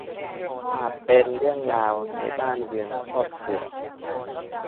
อาจเป็นเรื่องราวในบ้านเรือนครอบครัว